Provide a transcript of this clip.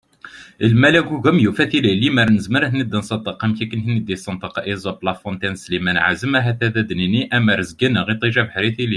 Lmal agugam yufa tili, lemmer zmireɣ ad ten-id-sneṭqeɣ am akken i ten-id-yessenṭeq Esope, La Fontaine d Slimane Ɛazem ahat ad d-inin : am rrezg-nneɣ iṭij, abeḥri, tili!